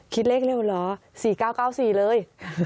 คิดเลขเร็วเหรอ๔๙๙๔เลย